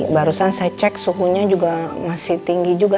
barusan saya cek suhunya juga masih tinggi juga